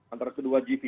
antara kedua gv